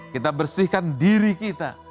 kita bersihkan diri kita